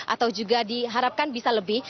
atau juga diharapkan bisa lebih